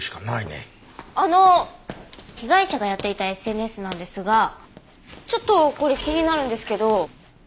あの被害者がやっていたＳＮＳなんですがちょっとこれ気になるんですけど。